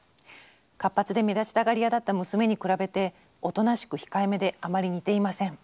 活発で目立ちたがり屋だった娘に比べておとなしく控えめであまり似ていません。